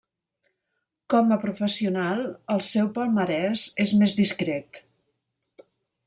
Com a professional el seu palmarès és més discret.